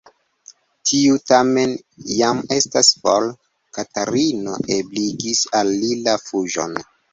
Tiu tamen jam estas for: Katarino ebligis al li la fuĝon.